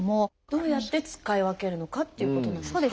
どうやって使い分けるのかっていうことなんですけれども。